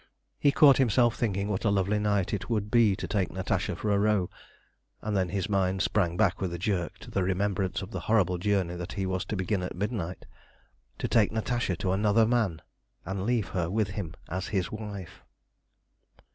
He caught himself thinking what a lovely night it would be to take Natasha for a row, and then his mind sprang back with a jerk to the remembrance of the horrible journey that he was to begin at midnight to take Natasha to another man, and leave her with him as his wife.